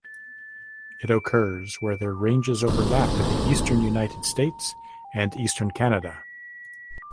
It occurs where their ranges overlap in the eastern United States and eastern Canada.